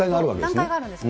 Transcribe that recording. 段階があるんです。